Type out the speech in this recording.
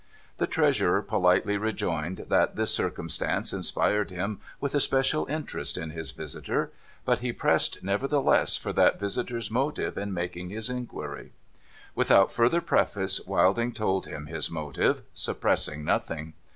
The Treasurer politely rejoined that this circumstance inspired him with a special interest in his visitor. But he pressed, never theless, for that visitor's motive in making his inquiry. Without further preface. Wilding told him his motive, suppressing nothing.